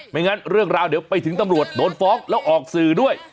งั้นเรื่องราวเดี๋ยวไปถึงตำรวจโดนฟ้องแล้วออกสื่อด้วย